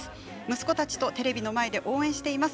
息子たちとテレビの前で応援しています。